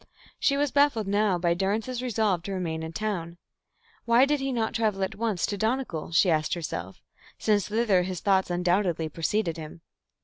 She was baffled now by Durrance's resolve to remain in town. Why did he not travel at once to Donegal, she asked herself, since thither his thoughts undoubtedly preceded him.